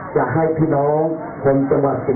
สวัสดีครับสวัสดีครับ